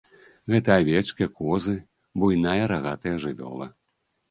Гэта авечкі, козы, буйная рагатая жывёла.